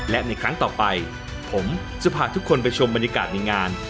และในครั้งต่อไปผมจะพาทุกคนไปชมบรรยากาศในงาน